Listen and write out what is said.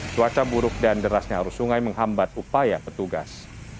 cuaca buruk dan derasnya arus sungai menghambat upaya petugas